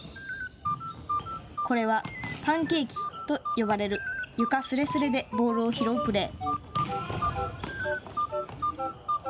これは、パンケーキと呼ばれる床すれすれでボールを拾うプレー。